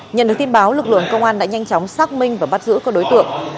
nhận được tin báo lực lượng công an đã nhanh chóng xác minh và bắt giữ các đối tượng